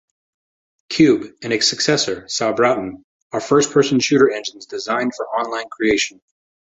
"Cube" and its successor, "Sauerbraten" are first-person shooter engines designed for online creation.